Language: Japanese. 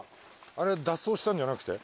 あれ脱走したんじゃなくて？